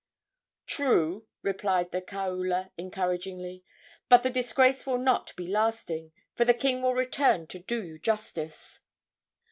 "True," replied the kaula, encouragingly; "but the disgrace will not be lasting, for the king will return to do you justice."